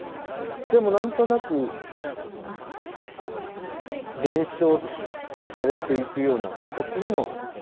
でも何となく伝承されていくような形での継続でしかなかった。